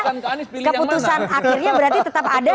keputusan akhirnya berarti tetap ada